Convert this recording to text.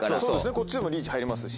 こっちでもリーチ入りますし。